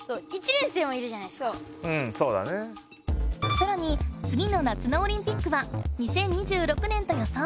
さらに次の夏のオリンピックは２０２６年と予想。